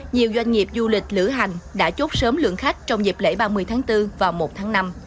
nhiều doanh nghiệp du lịch lửa hành đã chốt sớm lượng khách trong dịp lễ ba mươi tháng bốn và một tháng năm